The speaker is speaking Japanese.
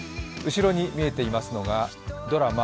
後ろに見えていますのがドラマ